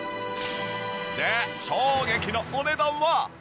で衝撃のお値段は？